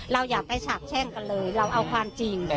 อย่าไปฉาบแช่งกันเลยเราเอาความจริง